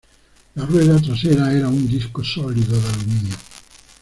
La rueda trasera era un disco sólido de aluminio.